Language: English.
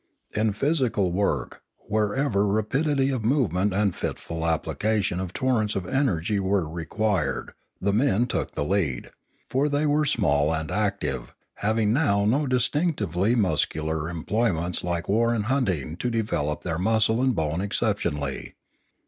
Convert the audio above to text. In physical work, wherever rapidity of movement and fitful application of torrents of energy were re quired, the men took the lead; for they were small and active, having now no distinctively muscular employ ments, like war and hunting, to develop their muscle and bone exceptionally.